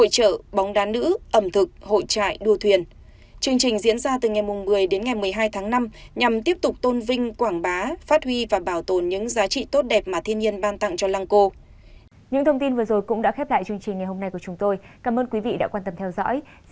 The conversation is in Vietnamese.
chương trình diễn ra từ ngày một mươi đến ngày một mươi hai tháng năm nhằm tiếp tục tôn vinh quảng bá phát huy và bảo tồn những giá trị tốt đẹp mà thiên nhiên ban tặng cho lăng cô